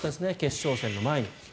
決勝戦の前に。